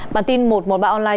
bản tin một trăm một mươi ba online